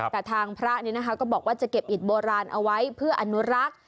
แต่ทางพระก็บอกว่าจะเก็บอิตโบราณเอาไว้เพื่ออนุรักษ์